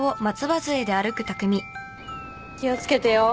気を付けてよ。